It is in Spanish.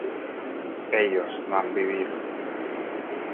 ellos no han vivido